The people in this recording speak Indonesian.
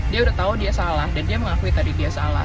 dia udah tahu dia salah dan dia mengakui tadi dia salah